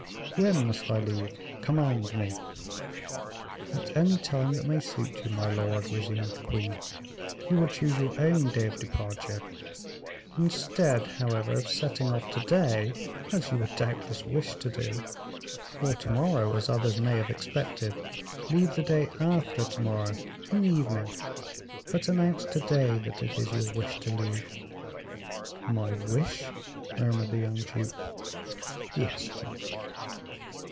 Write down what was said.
"When must I leave? Command me." "At any time that may suit you, my lord," resumed the queen; "you will choose your own day of departure. Instead, however, of setting off to day, as you would doubtless wish to do, or to morrow, as others may have expected, leave the day after to morrow, in the evening; but announce to day that it is your wish to leave." "My wish?" murmured the young duke. "Yes, duke."